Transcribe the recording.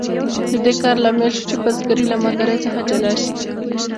د دې کار لامل شو چې بزګري له مالدارۍ څخه جلا شي.